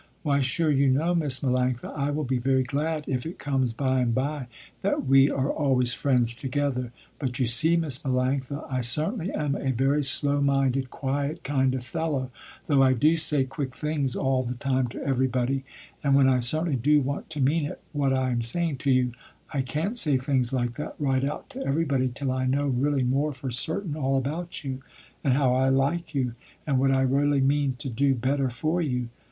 Why sure you know Miss Melanctha, I will be very glad if it comes by and by that we are always friends together, but you see, Miss Melanctha, I certainly am a very slow minded quiet kind of fellow though I do say quick things all the time to everybody, and when I certainly do want to mean it what I am saying to you, I can't say things like that right out to everybody till I know really more for certain all about you, and how I like you, and what I really mean to do better for you.